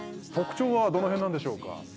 特徴はどの辺なんでしょうか。